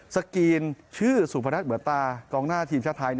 สกรีนชื่อสุพนัทเหมือนตากองหน้าทีมชาติไทย